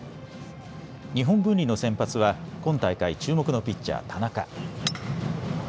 日本文理の先発は今大会注目のピッチャー、田中。